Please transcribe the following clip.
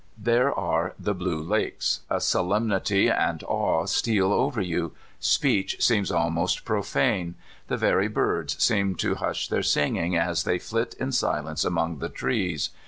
There are the Blue Lakes. A solemnity and awe steal over you. Speech seems almost profane The very birds seem to hush their singing as they 9 130 The Blut Lakes. flit in feilence among the trees.